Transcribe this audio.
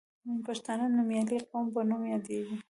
پښتانه د نومیالي قوم په نوم یادیږي.